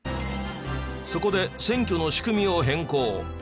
そこで選挙の仕組みを変更。